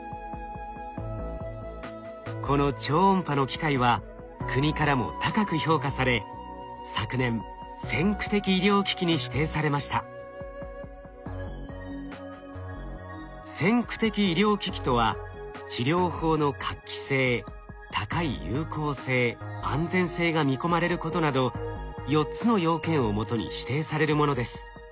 この超音波の機械は国からも高く評価され先駆的医療機器とは治療法の画期性高い有効性・安全性が見込まれることなど４つの要件をもとに指定されるものです。